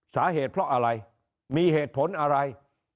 สาเหตุเพราะอะไรมีเหตุผลอะไร